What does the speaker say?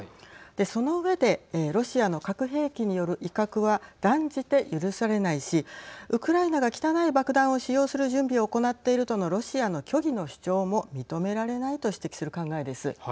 その上でロシアの核兵器による威嚇は断じて許されないしウクライナが汚い爆弾を使用する準備を行っているとのロシアの虚偽の主張も認められないと指摘する考えです。